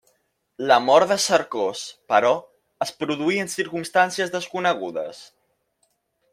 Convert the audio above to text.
La mort de Cercós, però, es produí en circumstàncies desconegudes.